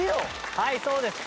はいそうです。